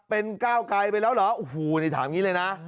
เป็นก้าวไกลไปแล้วเหรอโอ้โหนี่ถามอย่างนี้เลยนะ